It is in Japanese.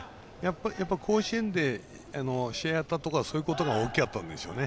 甲子園で試合をやったところが大きかったんでしょうね。